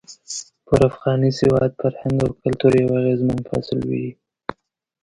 پر افغاني سواد، فرهنګ او کلتور يو اغېزمن فصل وي.